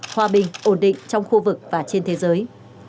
hòa bình ổn định trong khu vực và trên thế giới